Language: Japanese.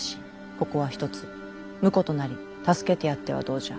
ここはひとつ婿となり助けてやってはどうじゃ。